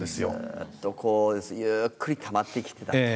ずっとこうゆっくりたまって来てたと。